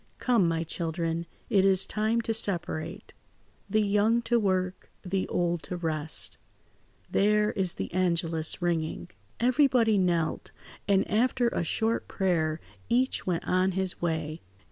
"Come, my children, it is time to separate. The young to work, the old to rest. There is the angelus ringing." Everybody knelt, and after a short prayer each went on his way.